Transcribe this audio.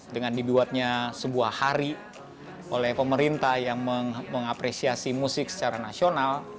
dengan dibuatnya sebuah hari oleh pemerintah yang mengapresiasi musik secara nasional